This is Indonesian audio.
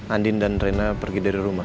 andin dan rena pergi dari rumah